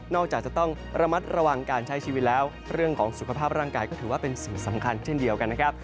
จากจะต้องระมัดระวังการใช้ชีวิตแล้วเรื่องของสุขภาพร่างกายก็ถือว่าเป็นสิ่งสำคัญเช่นเดียวกันนะครับ